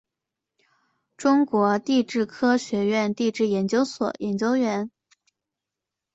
中国地质科学院地质研究所研究员。